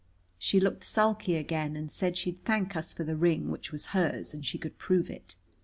She looked sulky again, and said she'd thank us for the ring, which was hers and she could prove it.